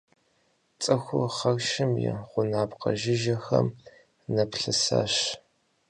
ЦӀыхур хьэршым и гъунапкъэ жыжьэхэм нэплъысащ.